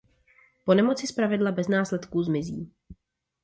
Po nemoci zpravidla bez následků zmizí.